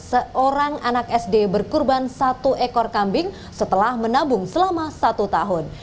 seorang anak sd berkurban satu ekor kambing setelah menabung selama satu tahun